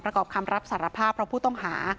ประกอบคำรับสารภาพเพราะผู้ต้องหา